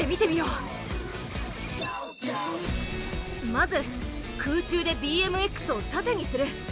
まず空中でＢＭＸを縦にする。